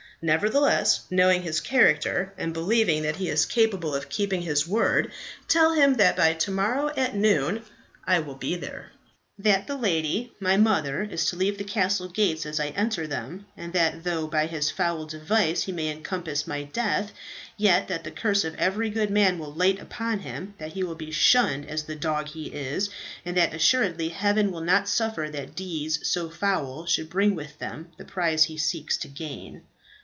Nevertheless, knowing his character, and believing that he is capable of keeping his word, tell him that by to morrow at noon I will be there; that the lady, my mother, is to leave the castle gates as I enter them; and that though by his foul device he may encompass my death, yet that the curse of every good man will light upon him, that he will be shunned as the dog he is, and that assuredly heaven will not suffer that deeds so foul should bring with them the prize he seeks to gain."